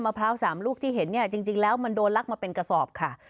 พร้าว๓ลูกที่เห็นเนี่ยจริงแล้วมันโดนลักมาเป็นกระสอบค่ะ